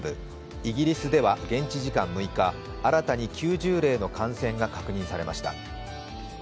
イギリスでは現地時間６日、新たに９０例の感染が確認されました。